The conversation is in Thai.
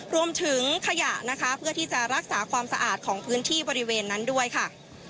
รวมถึงขยะนะคะเพื่อที่จะรักษาความสะอาดของพื้นที่บริเวณนั้นด้วยค่ะ